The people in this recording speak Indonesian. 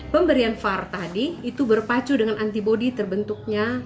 pemberian var tadi itu berpacu dengan antibody terbentuknya